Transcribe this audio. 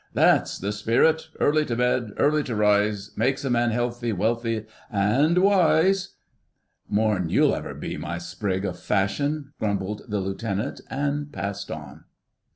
"That's the spirit! Early to bed, early to rise, makes a man healthy, wealthy, and wise!" "More'n you'll ever be, my sprig o' fashion," grumbled the Lieutenant, and passed on.